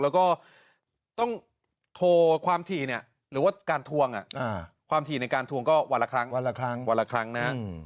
แล้วก็ต้องโทรความถี่เนี่ยหรือว่าการทวงความถี่ในการทวงก็วันละครั้งวันละครั้งวันละครั้งนะ